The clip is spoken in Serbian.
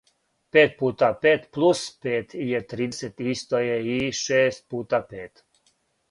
пет пута пет плус пет је тридесет исто је и шест пута пет.